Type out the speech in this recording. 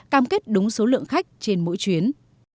cảm kết đúng số lượng khách trên mỗi chuyến